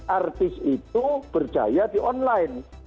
artis itu berjaya di online